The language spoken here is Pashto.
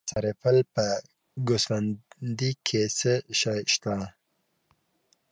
د سرپل په ګوسفندي کې څه شی شته؟